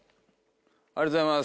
ありがとうございます。